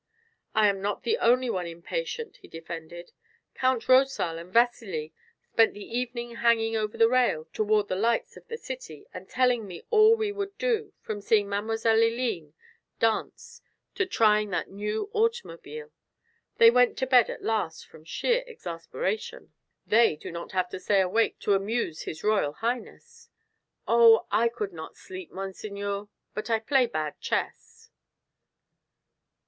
"I am not the only one impatient," he defended. "Count Rosal and Vasili spent the evening hanging over the rail toward the lights of the city, and telling me all we would do, from seeing Mademoiselle Liline dance to trying that new automobile. They went to bed at last from sheer exasperation." "They do not have to stay awake to amuse his Royal Highness." "Oh, I could not sleep, monseigneur. But I play bad chess."